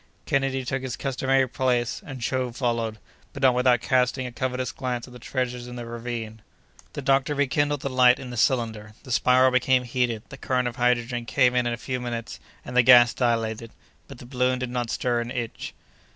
Kennedy took his customary place, and Joe followed, but not without casting a covetous glance at the treasures in the ravine. The doctor rekindled the light in the cylinder; the spiral became heated; the current of hydrogen came in a few minutes, and the gas dilated; but the balloon did not stir an inch.